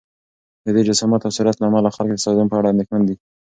د دې جسامت او سرعت له امله خلک د تصادم په اړه اندېښمن دي.